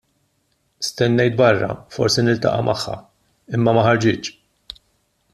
Stennejt barra forsi niltaqa' magħha, imma ma ħarġitx.